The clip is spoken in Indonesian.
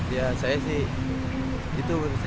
ya saya sih itu menurut saya